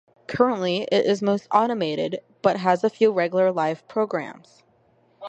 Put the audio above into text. Currently it is mostly automated, but has a few regular live programs.